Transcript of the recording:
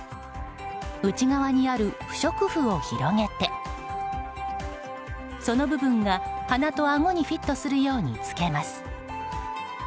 内側にある不織布を広げてその部分が鼻とあごにフィットするように着けます。